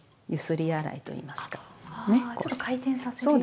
ちょっと回転させるように。